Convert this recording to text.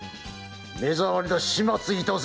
目障りだ始末いたせ！